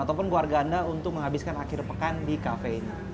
ataupun keluarga anda untuk menghabiskan akhir pekan di kafe ini